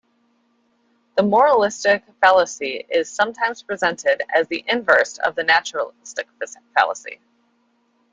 The moralistic fallacy is sometimes presented as the inverse of the naturalistic fallacy.